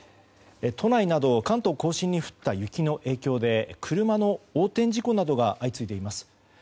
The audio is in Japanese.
都内など、関東・甲信に降った雪の影響で車の横転事故などが相次いでいます。